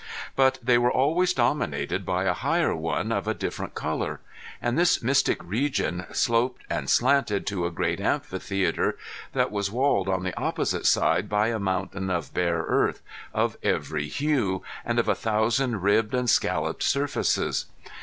But they were always dominated by a higher one of a different color. And this mystic region sloped and slanted to a great amphitheater that was walled on the opposite side by a mountain of bare earth, of every hue, and of a thousand ribbed and scalloped surfaces.